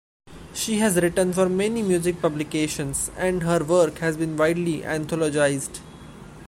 She has written for many music publications, and her work has been widely anthologized.